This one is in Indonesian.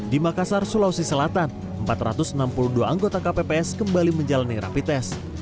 di makassar sulawesi selatan empat ratus enam puluh dua anggota kpps kembali menjalani rapi tes